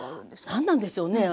何なんでしょうね。